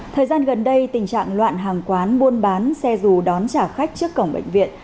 thời gian gần đây tình trạng loạn hàng quán buôn bán xe dù đón trả khách trước cổng bệnh viện